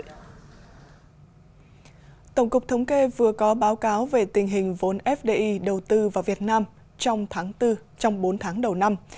tổng cục thống kê vừa có báo cáo về tình hình vốn fdi đầu tư vào việt nam trong tháng bốn trong bốn tháng đầu năm